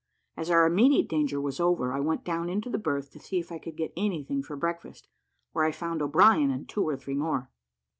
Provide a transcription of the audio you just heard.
As our immediate danger was over, I went down into the berth to see if I could get anything for breakfast, where I found O'Brien and two or three more.